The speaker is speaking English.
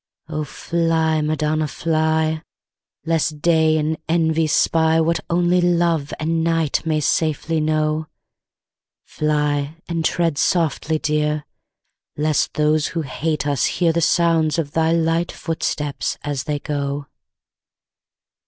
O fly, Madonna! fly, Lest day and envy spy What only love and night may safely know: Fly, and tread softly, dear! Lest those who hate us hear The sounds of thy light footsteps as they go.